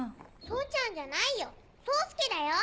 宗ちゃんじゃないよ宗介だよ。